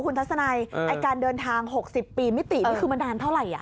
คุณทัศนัยการเดินทาง๖๐ปีมิตินี่คือมันนานเท่าไหร่